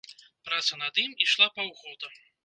Праца над ім ішла паўгода.